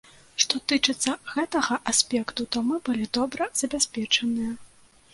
Што тычыцца гэтага аспекту, то мы былі добра забяспечаныя.